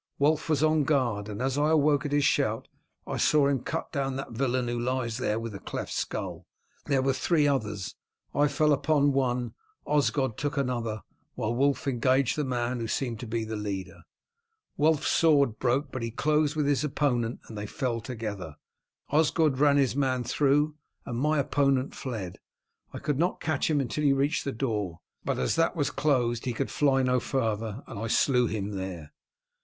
Wulf was on guard, and as I awoke at his shout I saw him cut down that villain who lies there with a cleft skull There were three others. I fell upon one, Osgod took another, while Wulf engaged the man who seemed to be the leader. Wulf's sword broke, but he closed with his opponent and they fell together. Osgod ran his man through, and my opponent fled. I could not catch him until he reached the door, but as that was closed he could fly no farther, and I slew him there."